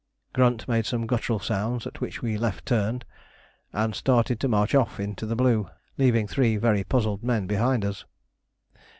Grunt made some guttural sounds, at which we "left turned" and started to march off into the blue, leaving three very puzzled men behind us.